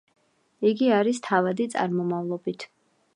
იგი არის თავადი წარმომავლობით.